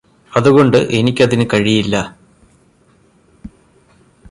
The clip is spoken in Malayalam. അതുകൊണ്ട് എനിക്കതിന് കഴിയില്ലാ